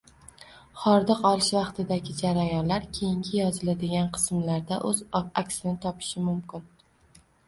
Hordiq olish vaqtidagi jarayonlar keyingi yoziladigan qismlarda o’z aksini topishi mumkin